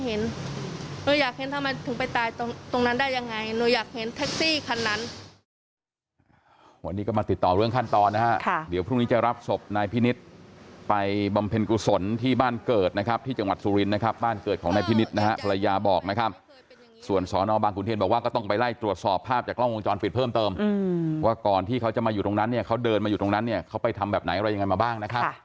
หนูอยากเห็นถ้ามันถึงไปตายตรงนั้นได้ยังไงหนูอยากเห็นแท็กซี่คันนั้น